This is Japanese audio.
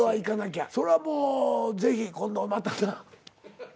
それはもうぜひ今度またな。